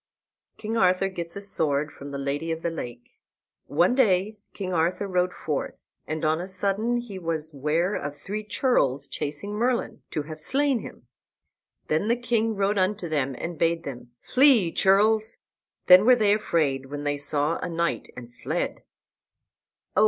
KING ARTHUR GETS A SWORD FROM THE LADY OF THE LAKE One day King Arthur rode forth, and on a sudden he was ware of three churls chasing Merlin, to have slain him. And the king rode unto them and bade them, "Flee, churls!" Then were they afraid when they saw a knight, and fled.